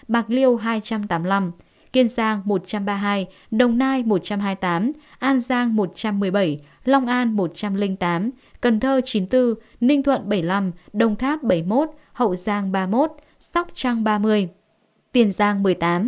bạc liêu hai trăm tám mươi năm kiên giang một trăm ba mươi hai đồng nai một trăm hai mươi tám an giang một trăm một mươi bảy long an một trăm linh tám cần thơ chín mươi bốn ninh thuận bảy mươi năm đồng tháp bảy mươi một hậu giang ba mươi một sóc trăng ba mươi tiền giang một mươi tám